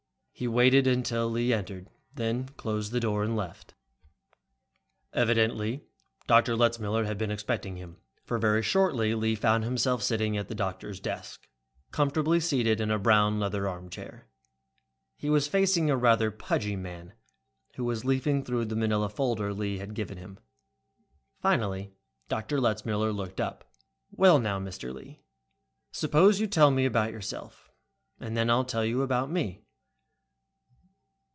He waited until Lee had entered, then closed the door and left. Evidently Dr. Letzmiller had been expecting him, for very shortly Lee found himself sitting at the doctor's desk, comfortably seated in a brown leather armchair. He was facing a rather pudgy man, who was leafing through the manila folder Lee had given him. Finally Dr. Letzmiller looked up. "Well. Well now, Mr. Lee, suppose you first tell me about yourself, and then I'll tell you about me."